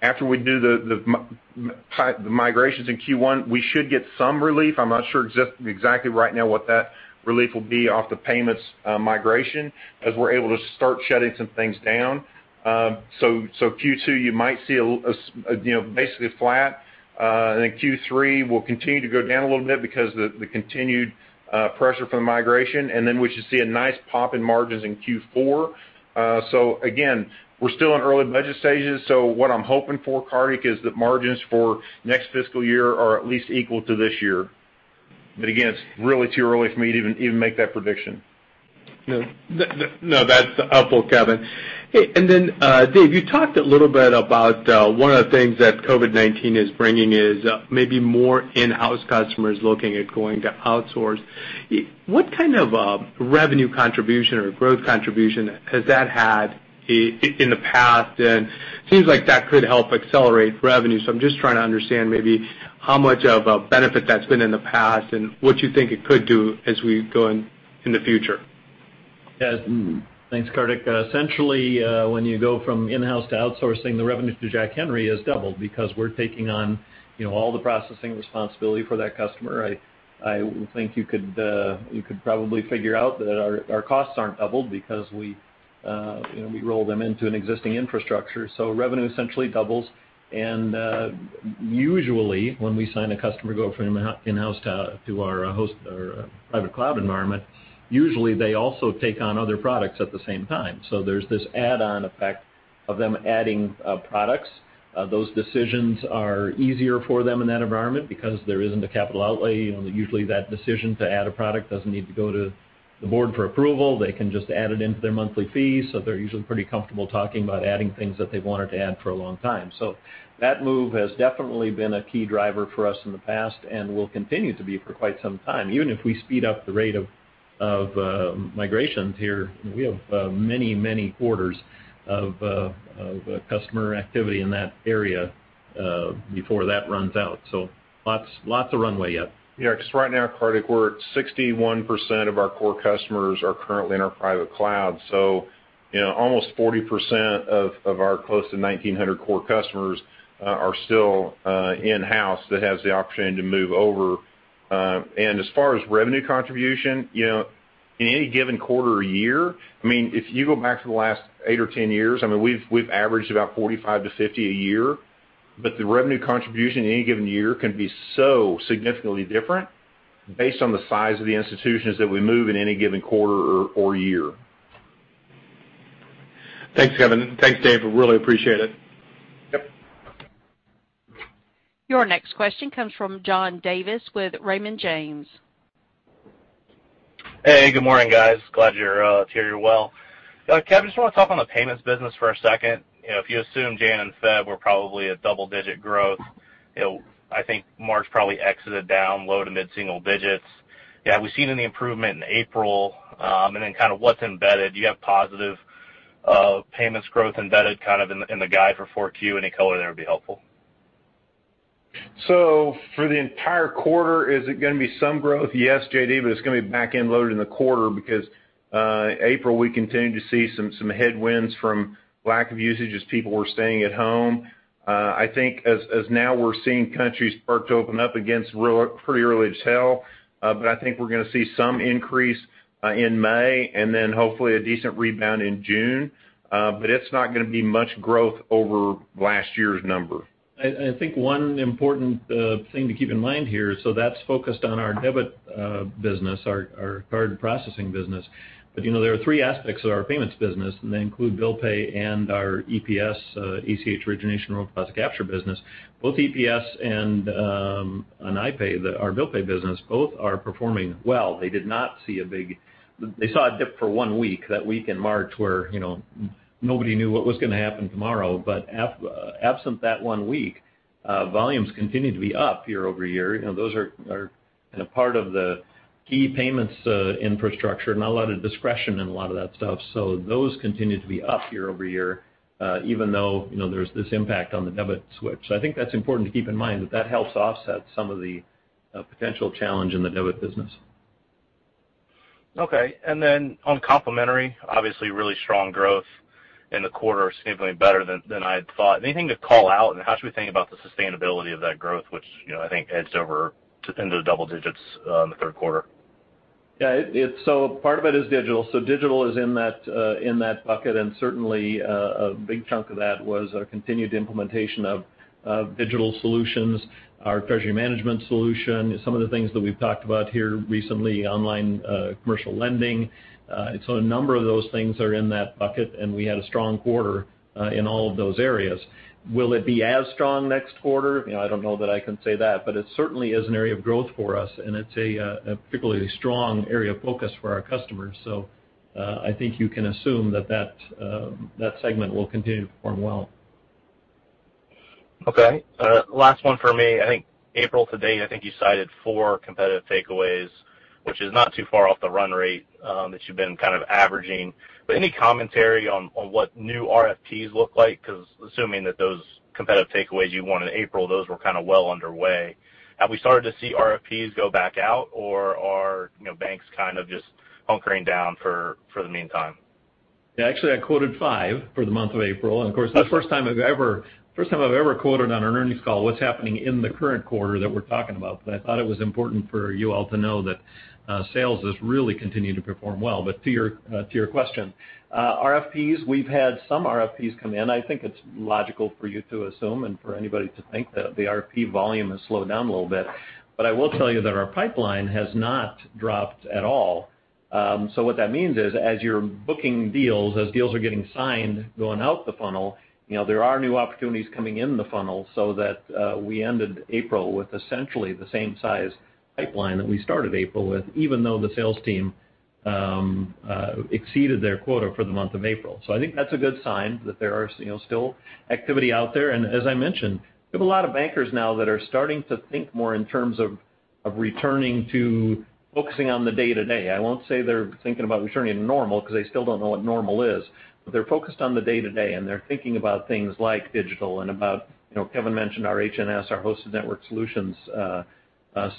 After we do the migrations in Q1, we should get some relief. I'm not sure exactly right now what that relief will be off the payments migration as we're able to start shutting some things down. So Q2, you might see basically flat. And then Q3 will continue to go down a little bit because of the continued pressure from the migration. And then we should see a nice pop in margins in Q4. So again, we're still in early budget stages. So what I'm hoping for, Karthik, is that margins for next Fiscal Year are at least equal to this year. But again, it's really too early for me to even make that prediction. No, that's helpful, Kevin. And then, Dave, you talked a little bit about one of the things that COVID-19 is bringing is maybe more in-house customers looking at going to outsource. What kind of revenue contribution or growth contribution has that had in the past? And it seems like that could help accelerate revenue. So I'm just trying to understand maybe how much of a benefit that's been in the past and what you think it could do as we go in the future. Yeah. Thanks, Karthik. Essentially, when you go from in-house to outsourcing, the revenue to Jack Henry has doubled because we're taking on all the processing responsibility for that customer. I think you could probably figure out that our costs aren't doubled because we roll them into an existing infrastructure. So revenue essentially doubles. And usually, when we sign a customer to go from in-house to our private cloud environment, usually they also take on other products at the same time. So there's this add-on effect of them adding products. Those decisions are easier for them in that environment because there isn't a capital outlay. Usually, that decision to add a product doesn't need to go to the board for approval. They can just add it into their monthly fee. So they're usually pretty comfortable talking about adding things that they've wanted to add for a long time. So that move has definitely been a key driver for us in the past and will continue to be for quite some time, even if we speed up the rate of migrations here. We have many, many quarters of customer activity in that area before that runs out. So lots of runway yet. Yeah. Because right now, Karthik, we're at 61% of our core customers are currently in our private cloud. So almost 40% of our close to 1,900 core customers are still in-house that have the opportunity to move over. As far as revenue contribution, in any given quarter or year, I mean, if you go back to the last 8 or 10 years, I mean, we've averaged about 45 to 50 a year, but the revenue contribution in any given year can be so significantly different based on the size of the institutions that we move in any given quarter or year. Thanks, Kevin. Thanks, Dave. I really appreciate it. Yep. Your next question comes from John Davis with Raymond James. Hey, good morning, guys. Glad you're here. You're well. Kevin, just want to talk on the payments business for a second. If you assume January and February were probably at double-digit growth, I think March probably exited down, low to mid-single digits. Yeah. Have we seen any improvement in April? And then kind of what's embedded? Do you have positive payments growth embedded kind of in the guide for 4Q? Any color there would be helpful. So, for the entire quarter, is it going to be some growth? Yes, JD, but it's going to be back-end loaded in the quarter because April, we continue to see some headwinds from lack of usage as people were staying at home. I think, and now we're seeing countries start to open up again, it's pretty early to tell, but I think we're going to see some increase in May and then hopefully a decent rebound in June. But it's not going to be much growth over last year's number. I think one important thing to keep in mind here, so that's focused on our debit business, our card processing business. But there are three aspects of our payments business, and they include Bill Pay and our EPS, ECH, Remote Deposit Capture business. Both EPS and our Bill Pay business, both are performing well. They saw a dip for one week, that week in March where nobody knew what was going to happen tomorrow. But absent that one week, volumes continue to be up year over year. Those are kind of part of the key payments infrastructure, not a lot of discretion in a lot of that stuff, so those continue to be up year over year, even though there's this impact on the debit switch. I think that's important to keep in mind that, that helps offset some of the potential challenge in the debit business. Okay. And then on complementary, obviously really strong growth in the quarter, significantly better than I had thought. Anything to call out? And how should we think about the sustainability of that growth, which I think edged over into the double digits in the Q3? Yeah, so part of it is digital, so digital is in that bucket, and certainly a big chunk of that was a continued implementation of digital solutions, our treasury management solution, some of the things that we've talked about here recently, online commercial lending, so a number of those things are in that bucket, and we had a strong quarter in all of those areas. Will it be as strong next quarter? I don't know that I can say that, but it certainly is an area of growth for us, and it's a particularly strong area of focus for our customers, so I think you can assume that that segment will continue to perform well. Okay. Last one for me. I think April to date, I think you cited four competitive takeaways, which is not too far off the run rate that you've been kind of averaging. But any commentary on what new RFPs look like? Because assuming that those competitive takeaways won in April, those were kind of well underway. Have we started to see RFPs go back out, or are banks kind of just hunkering down for the meantime? Yeah. Actually, I quoted five for the month of April. And of course, the first time I've ever quoted on an earnings call what's happening in the current quarter that we're talking about. But I thought it was important for you all to know that sales has really continued to perform well. But to your question, RFPs, we've had some RFPs come in. I think it's logical for you to assume and for anybody to think that the RFP volume has slowed down a little bit. But I will tell you that our pipeline has not dropped at all. So what that means is, as you're booking deals, as deals are getting signed, going out the funnel, there are new opportunities coming in the funnel so that we ended April with essentially the same size pipeline that we started April with, even though the sales team exceeded their quota for the month of April. So I think that's a good sign that there is still activity out there. And as I mentioned, we have a lot of bankers now that are starting to think more in terms of returning to focusing on the day-to-day. I won't say they're thinking about returning to normal because they still don't know what normal is. But they're focused on the day-to-day, and they're thinking about things like digital and about, Kevin mentioned, our HNS, our Hosted Network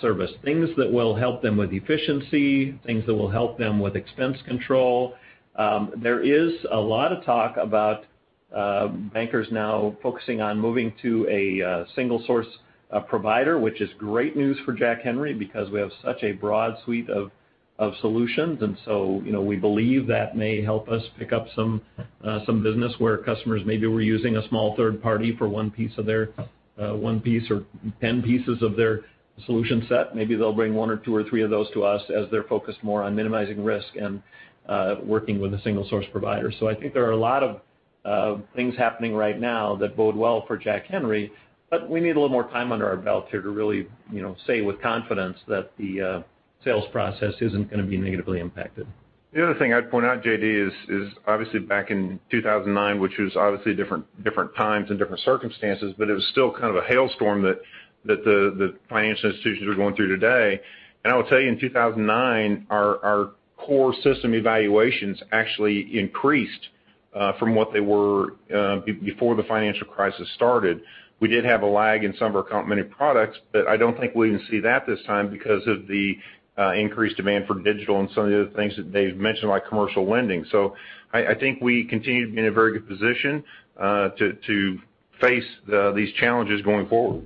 Services, things that will help them with efficiency, things that will help them with expense control. There is a lot of talk about bankers now focusing on moving to a single source provider, which is great news for Jack Henry because we have such a broad suite of solutions. And so we believe that may help us pick up some business where customers maybe were using a small third party for one piece or 10 pieces of their solution set. Maybe they'll bring one or two or three of those to us as they're focused more on minimizing risk and working with a single source provider. So I think there are a lot of things happening right now that bode well for Jack Henry, but we need a little more time under our belt here to really say with confidence that the sales process isn't going to be negatively impacted. The other thing I'd point out, JD, is obviously back in 2009, which was obviously different times and different circumstances, but it was still kind of a hailstorm that the financial institutions are going through today. And I will tell you, in 2009, our core system evaluations actually increased from what they were before the financial crisis started. We did have a lag in some of our complementary products, but I don't think we'll even see that this time because of the increased demand for digital and some of the other things that Dave mentioned, like commercial lending. So I think we continue to be in a very good position to face these challenges going forward.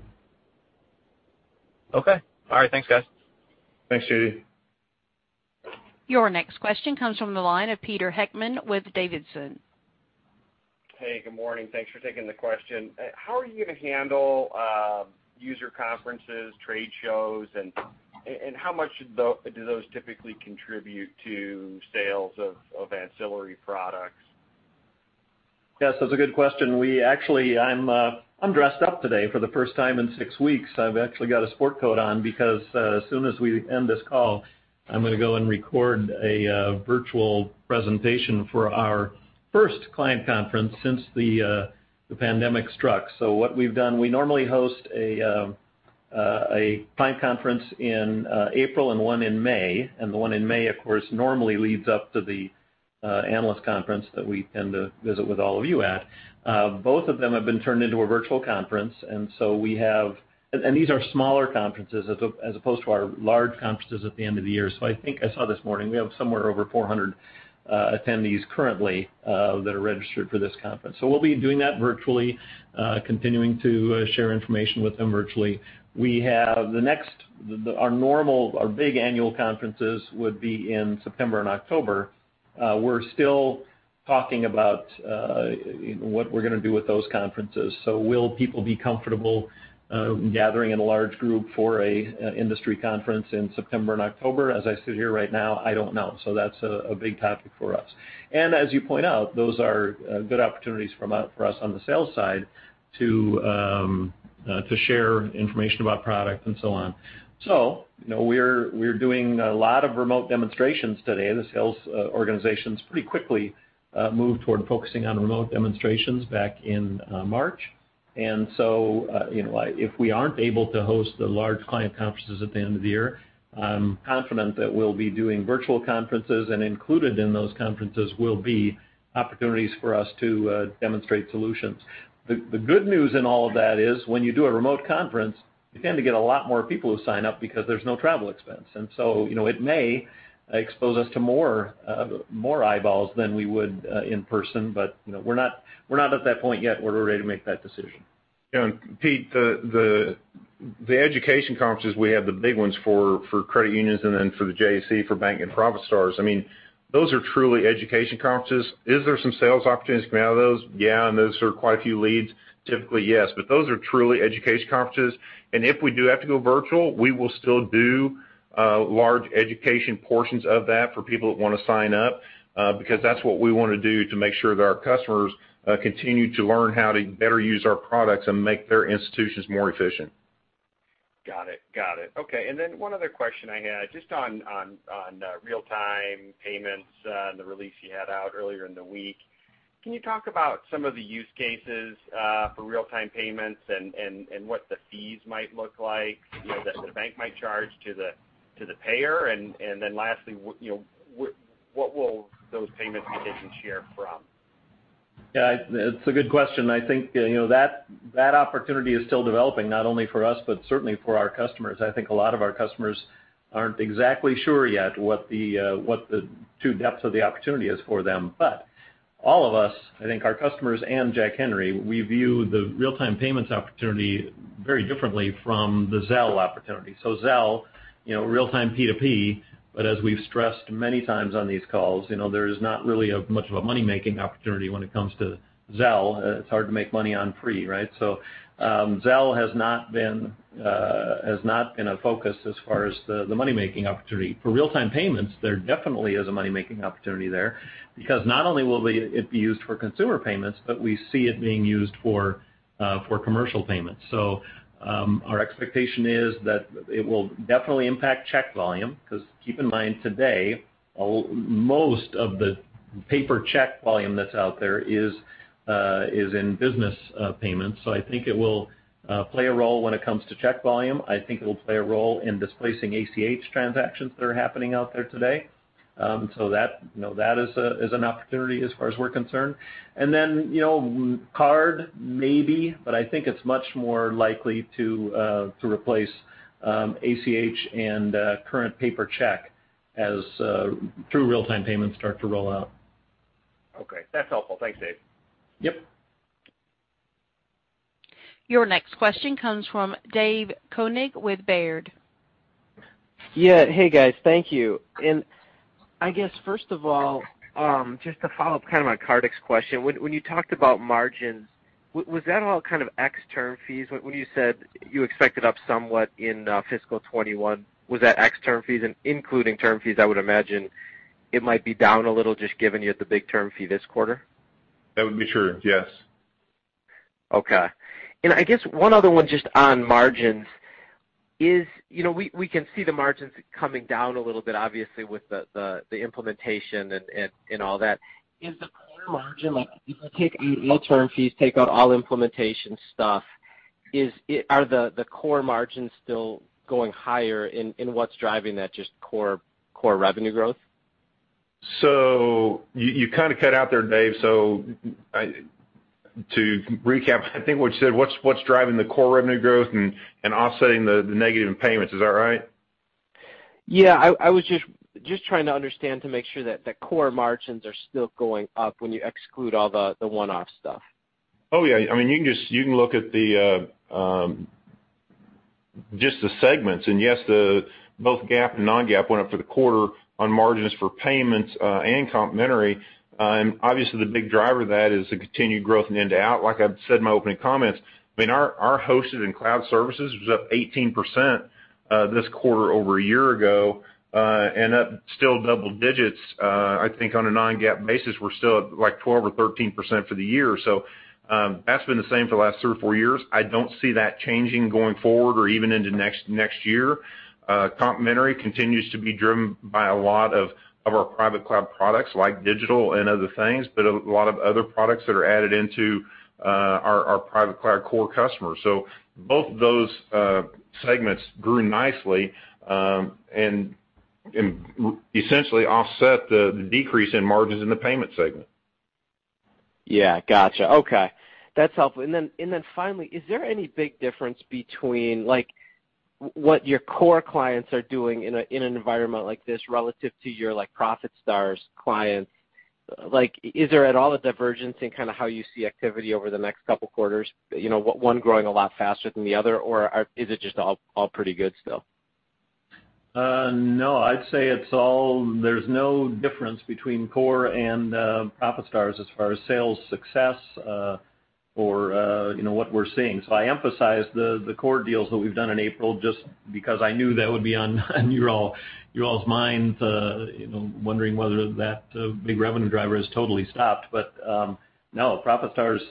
Okay. All right. Thanks, guys. Thanks, JD. Your next question comes from the line of Peter Heckmann with Davidson. Hey, good morning. Thanks for taking the question. How are you going to handle user conferences, trade shows, and how much do those typically contribute to sales of ancillary products? Yes. That's a good question. Actually, I'm dressed up today for the first time in six weeks. I've actually got a sport coat on because as soon as we end this call, I'm going to go and record a virtual presentation for our first client conference since the pandemic struck. So what we've done, we normally host a client conference in April and one in May. And the one in May, of course, normally leads up to the analyst conference that we tend to visit with all of you at. Both of them have been turned into a virtual conference. And so we have, and these are smaller conferences as opposed to our large conferences at the end of the year. So I think I saw this morning we have somewhere over 400 attendees currently that are registered for this conference. So we'll be doing that virtually, continuing to share information with them virtually. The next, our normal, our big annual conferences would be in September and October. We're still talking about what we're going to do with those conferences. So will people be comfortable gathering in a large group for an industry conference in September and October? As I sit here right now, I don't know. So that's a big topic for us. And as you point out, those are good opportunities for us on the sales side to share information about product and so on. So we're doing a lot of remote demonstrations today. The sales organizations pretty quickly moved toward focusing on remote demonstrations back in March. If we aren't able to host the large client conferences at the end of the year, I'm confident that we'll be doing virtual conferences, and included in those conferences will be opportunities for us to demonstrate solutions. The good news in all of that is when you do a remote conference, you tend to get a lot more people who sign up because there's no travel expense. And so it may expose us to more eyeballs than we would in person, but we're not at that point yet where we're ready to make that decision. Yeah. And Pete, the education conferences we have, the big ones for credit unions and then for the JAC, for banks and ProfitStars, I mean, those are truly education conferences. Is there some sales opportunities coming out of those? Yeah. And those are quite a few leads. Typically, yes. But those are truly education conferences. And if we do have to go virtual, we will still do large education portions of that for people that want to sign up because that's what we want to do to make sure that our customers continue to learn how to better use our products and make their institutions more efficient. Got it. Got it. Okay. And then one other question I had just on real-time payments and the release you had out earlier in the week. Can you talk about some of the use cases for real-time payments and what the fees might look like that the bank might charge to the payer? And then lastly, what will those payments be taken share from? Yeah. It's a good question. I think that opportunity is still developing, not only for us, but certainly for our customers. I think a lot of our customers aren't exactly sure yet what the true depth of the opportunity is for them. But all of us, I think our customers and Jack Henry, we view the real-time payments opportunity very differently from the Zelle opportunity. So Zelle, real-time P2P, but as we've stressed many times on these calls, there is not really much of a money-making opportunity when it comes to Zelle. It's hard to make money on free, right? So Zelle has not been a focus as far as the money-making opportunity. For real-time payments, there definitely is a money-making opportunity there because not only will it be used for consumer payments, but we see it being used for commercial payments. So our expectation is that it will definitely impact check volume because keep in mind today, most of the paper check volume that's out there is in business payments. So I think it will play a role when it comes to check volume. I think it will play a role in displacing ACH transactions that are happening out there today. So that is an opportunity as far as we're concerned. And then card, maybe, but I think it's much more likely to replace ACH and current paper check as true real-time payments start to roll out. Okay. That's helpful. Thanks, Dave. Yep. Your next question comes from Dave Konig with Baird. Yeah. Hey, guys. Thank you. And I guess, first of all, just to follow up kind of on Kartik's question, when you talked about margins, was that all kind of external fees? When you said you expected up somewhat in Fiscal 2021, was that external fees and including term fees, I would imagine it might be down a little just given you the big term fee this quarter? That would be true. Yes. Okay. And I guess one other one just on margins is we can see the margins coming down a little bit, obviously, with the implementation and all that. Is the core margin, if you take out all term fees, take out all implementation stuff, are the core margins still going higher in what's driving that just core revenue growth? So you kind of cut out there, Dave. So to recap, I think what you said, what's driving the core revenue growth and offsetting the negative payments? Is that right? Yeah. I was just trying to understand to make sure that the core margins are still going up when you exclude all the one-off stuff. Oh, yeah. I mean, you can look at just the segments, and yes, both GAAP and non-GAAP went up for the quarter on margins for payments and complementary, and obviously, the big driver of that is the continued growth in end-to-end. Like I said in my opening comments, I mean, our hosted and cloud services was up 18% this quarter over a year ago and up still double digits. I think on a non-GAAP basis, we're still at like 12% or 13% for the year. So that's been the same for the last three or four years. I don't see that changing going forward or even into next year. Complementary continues to be driven by a lot of our private cloud products like digital and other things, but a lot of other products that are added into our private cloud core customers. So both of those segments grew nicely and essentially offset the decrease in margins in the payment segment. Yeah. Gotcha. Okay. That's helpful. And then finally, is there any big difference between what your core clients are doing in an environment like this relative to your ProfitStars clients? Is there at all a divergence in kind of how you see activity over the next couple of quarters, one growing a lot faster than the other, or is it just all pretty good still? No. I'd say there's no difference between core and ProfitStars as far as sales success or what we're seeing. So I emphasized the core deals that we've done in April just because I knew that would be on you all's minds, wondering whether that big revenue driver has totally stopped. But no, ProfitStars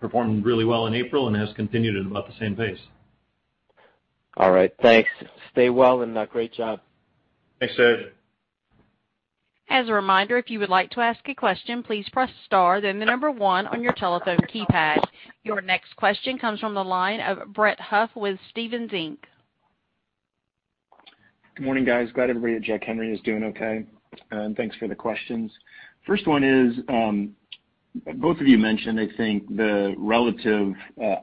performed really well in April and has continued at about the same pace. All right. Thanks. Stay well and great job. Thanks, Dave. As a reminder, if you would like to ask a question, please press star, then the number one on your telephone keypad. Your next question comes from the line of Brett Huff with Stephens Inc. Good morning, guys. Glad everybody at Jack Henry is doing okay. And thanks for the questions. First one is both of you mentioned, I think, the relative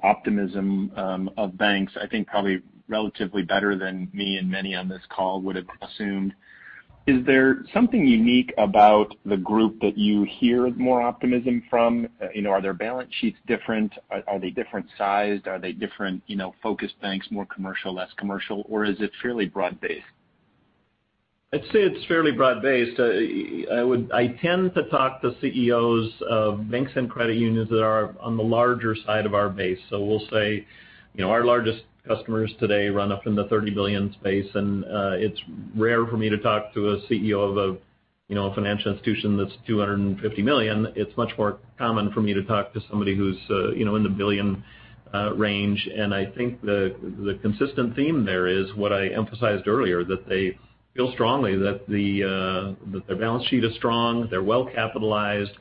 optimism of banks, I think probably relatively better than me and many on this call would have assumed. Is there something unique about the group that you hear more optimism from? Are their balance sheets different? Are they different sized? Are they different focused banks, more commercial, less commercial, or is it fairly broad-based? I'd say it's fairly broad-based. I tend to talk to CEOs of banks and credit unions that are on the larger side of our base. So we'll say our largest customers today run up in the 30 billion space. And it's rare for me to talk to a CEO of a financial institution that's 250 million. It's much more common for me to talk to somebody who's in the billion range. And I think the consistent theme there is what I emphasized earlier, that they feel strongly that their balance sheet is strong, they're well-capitalized,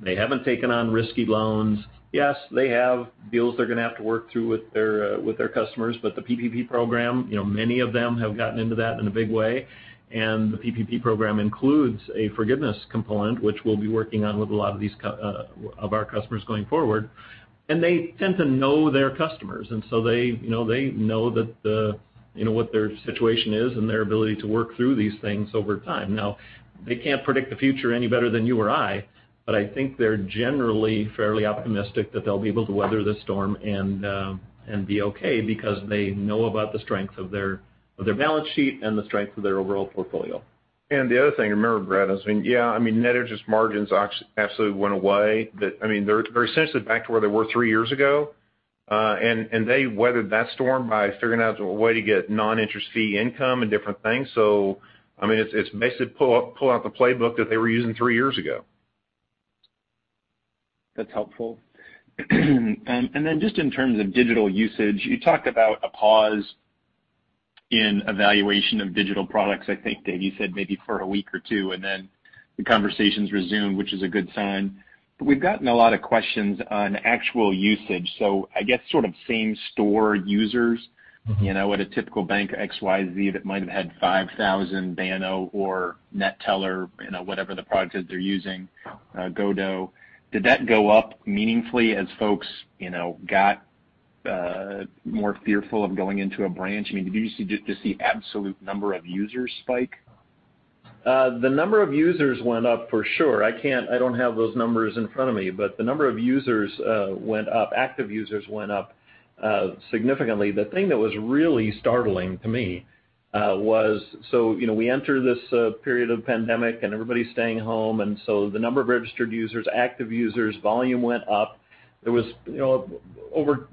they haven't taken on risky loans. Yes, they have deals they're going to have to work through with their customers, but the PPP program, many of them have gotten into that in a big way. The PPP program includes a forgiveness component, which we'll be working on with a lot of our customers going forward. They tend to know their customers. So they know what their situation is and their ability to work through these things over time. Now, they can't predict the future any better than you or I, but I think they're generally fairly optimistic that they'll be able to weather the storm and be okay because they know about the strength of their balance sheet and the strength of their overall portfolio. The other thing, remember, Brett, is, yeah, I mean, net interest margins absolutely went away. I mean, they're essentially back to where they were three years ago. They weathered that storm by figuring out a way to get non-interest fee income and different things. I mean, it's basically pull out the playbook that they were using three years ago. That's helpful. And then just in terms of digital usage, you talked about a pause in evaluation of digital products, I think, Dave. You said maybe for a week or two, and then the conversations resumed, which is a good sign. But we've gotten a lot of questions on actual usage. So I guess sort of same store users at a typical bank, XYZ, that might have had 5,000 Banno or NetTeller, whatever the product is they're using, goDough. Did that go up meaningfully as folks got more fearful of going into a branch? I mean, did you just see absolute number of users spike? The number of users went up for sure. I don't have those numbers in front of me, but the number of users went up, active users went up significantly. The thing that was really startling to me was, so we enter this period of pandemic and everybody's staying home. And so the number of registered users, active users, volume went up. Over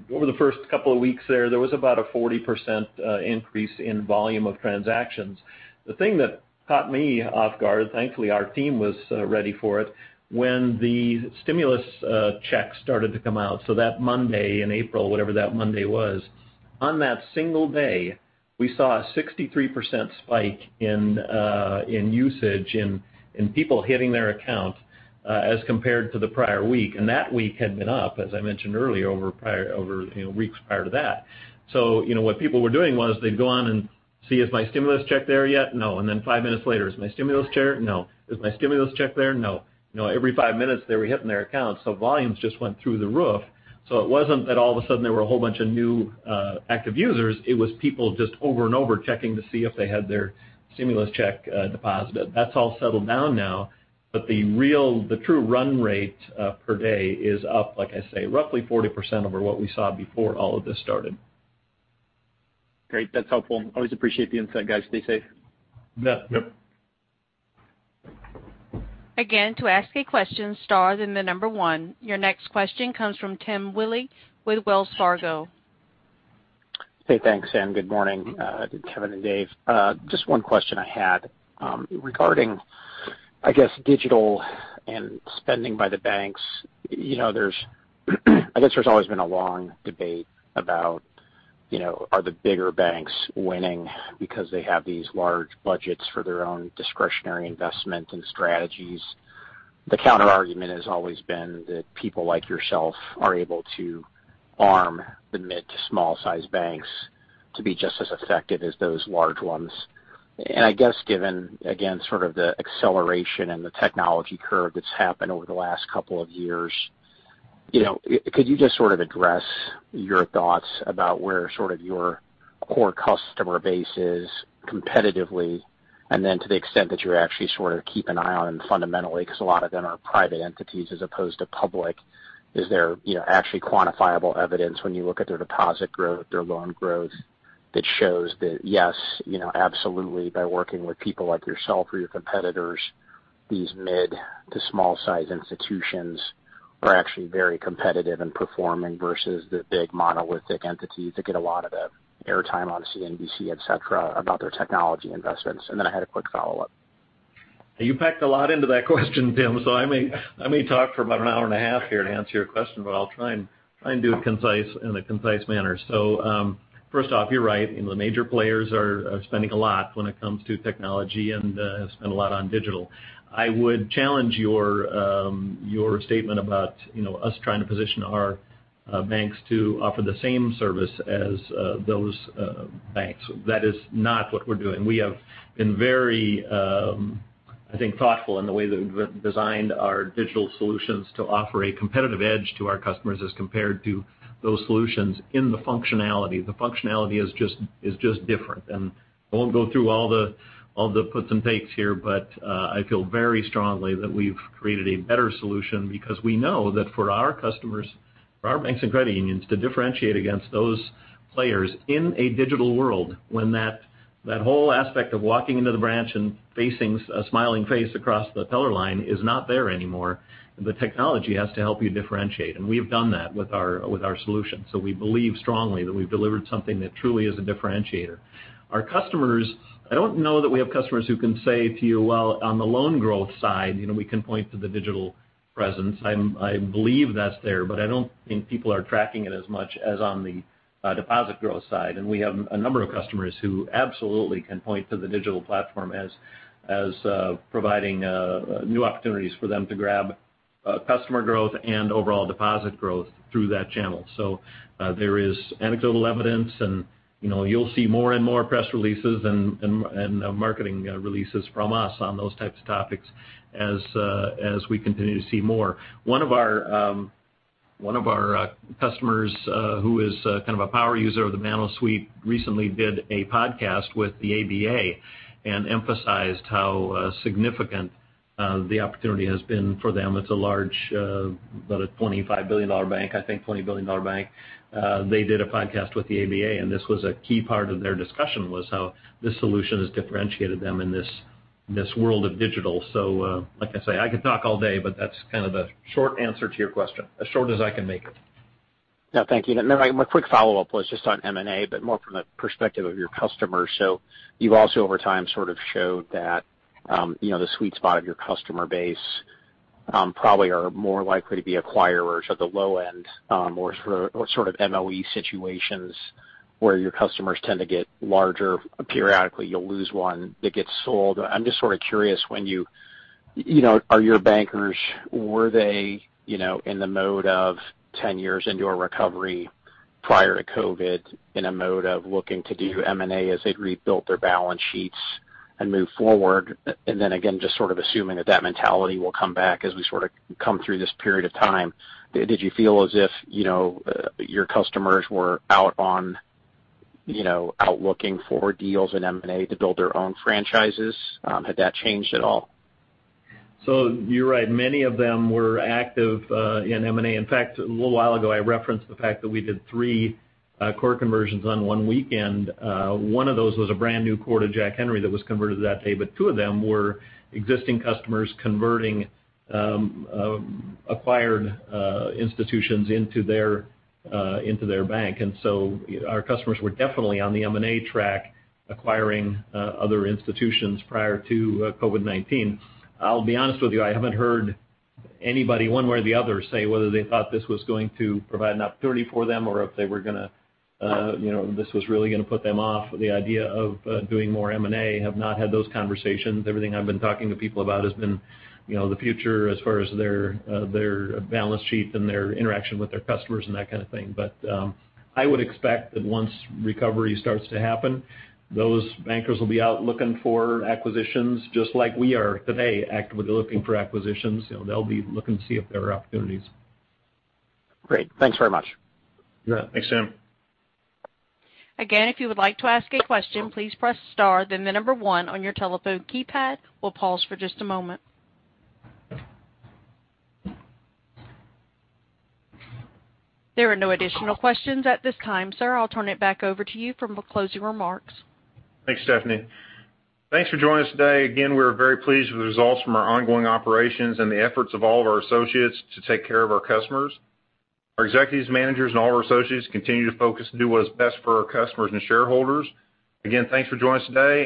the first couple of weeks there, there was about a 40% increase in volume of transactions. The thing that caught me off guard, thankfully, our team was ready for it, when the stimulus checks started to come out, so that Monday in April, whatever that Monday was, on that single day, we saw a 63% spike in usage, in people hitting their account as compared to the prior week, and that week had been up, as I mentioned earlier, over weeks prior to that. So what people were doing was they'd go on and see, "Is my stimulus check there yet?" No, and then five minutes later, "Is my stimulus check?" No. "Is my stimulus check there?" No. Every five minutes, they were hitting their accounts, so volumes just went through the roof, so it wasn't that all of a sudden there were a whole bunch of new active users. It was people just over and over checking to see if they had their stimulus check deposited. That's all settled down now, but the true run rate per day is up, like I say, roughly 40% over what we saw before all of this started. Great. That's helpful. Always appreciate the insight, guys. Stay safe. Yep. Again, to ask a question, press star one. Your next question comes from Tim Willi with Wells Fargo. Hey, thanks, Sam. Good morning, Kevin and Dave. Just one question I had regarding, I guess, digital and spending by the banks. I guess there's always been a long debate about, are the bigger banks winning because they have these large budgets for their own discretionary investment and strategies? The counterargument has always been that people like yourself are able to arm the mid to small-sized banks to be just as effective as those large ones. And I guess, given, again, sort of the acceleration and the technology curve that's happened over the last couple of years, could you just sort of address your thoughts about where sort of your core customer base is competitively? Then, to the extent that you actually sort of keep an eye on them fundamentally, because a lot of them are private entities as opposed to public, is there actually quantifiable evidence when you look at their deposit growth, their loan growth that shows that, yes, absolutely, by working with people like yourself or your competitors, these mid- to small-sized institutions are actually very competitive and performing versus the big monolithic entities that get a lot of the airtime on CNBC, etc., about their technology investments? Then I had a quick follow-up. You packed a lot into that question, Tim. So I may talk for about an hour and a half here to answer your question, but I'll try and do it in a concise manner. So first off, you're right. The major players are spending a lot when it comes to technology and spend a lot on digital. I would challenge your statement about us trying to position our banks to offer the same service as those banks. That is not what we're doing. We have been very, I think, thoughtful in the way that we've designed our digital solutions to offer a competitive edge to our customers as compared to those solutions in the functionality. The functionality is just different. I won't go through all the puts and takes here, but I feel very strongly that we've created a better solution because we know that for our customers, for our banks and credit unions, to differentiate against those players in a digital world when that whole aspect of walking into the branch and facing a smiling face across the teller line is not there anymore, the technology has to help you differentiate, and we've done that with our solution, so we believe strongly that we've delivered something that truly is a differentiator. Our customers, I don't know that we have customers who can say to you, "Well, on the loan growth side, we can point to the digital presence." I believe that's there, but I don't think people are tracking it as much as on the deposit growth side. We have a number of customers who absolutely can point to the digital platform as providing new opportunities for them to grab customer growth and overall deposit growth through that channel. There is anecdotal evidence, and you'll see more and more press releases and marketing releases from us on those types of topics as we continue to see more. One of our customers who is kind of a power user of the Banno Suite recently did a podcast with the ABA and emphasized how significant the opportunity has been for them. It's a large about a $25 billion bank, I think, $20 billion bank. They did a podcast with the ABA, and this was a key part of their discussion, was how this solution has differentiated them in this world of digital. So, like I say, I could talk all day, but that's kind of the short answer to your question, as short as I can make it. Yeah. Thank you. My quick follow-up was just on M&A, but more from the perspective of your customers. So you've also, over time, sort of showed that the sweet spot of your customer base probably are more likely to be acquirers at the low end or sort of MOE situations where your customers tend to get larger periodically. You'll lose one that gets sold. I'm just sort of curious. When you ask your bankers, were they in the mode of 10 years into a recovery prior to COVID, in a mode of looking to do M&A as they'd rebuilt their balance sheets and move forward? And then again, just sort of assuming that that mentality will come back as we sort of come through this period of time, did you feel as if your customers were out looking for deals in M&A to build their own franchises? Had that changed at all? So you're right. Many of them were active in M&A. In fact, a little while ago, I referenced the fact that we did three core conversions on one weekend. One of those was a brand new core to Jack Henry that was converted that day. But two of them were existing customers converting acquired institutions into their bank. And so our customers were definitely on the M&A track, acquiring other institutions prior to COVID-19. I'll be honest with you, I haven't heard anybody, one way or the other, say whether they thought this was going to provide an opportunity for them or if this was really going to put them off the idea of doing more M&A. I have not had those conversations. Everything I've been talking to people about has been the future as far as their balance sheet and their interaction with their customers and that kind of thing. But I would expect that once recovery starts to happen, those bankers will be out looking for acquisitions, just like we are today, actively looking for acquisitions. They'll be looking to see if there are opportunities. Great. Thanks very much. Thanks, Tim. Again, if you would like to ask a question, please press star. Then the number one on your telephone keypad will pause for just a moment. There are no additional questions at this time, sir. I'll turn it back over to you for closing remarks. Thanks, Stephanie. Thanks for joining us today. Again, we are very pleased with the results from our ongoing operations and the efforts of all of our associates to take care of our customers. Our executives, managers, and all of our associates continue to focus and do what is best for our customers and shareholders. Again, thanks for joining us today.